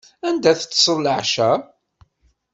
Anda teṭṭseḍ leɛca?